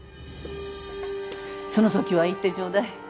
そのときは言ってちょうだい。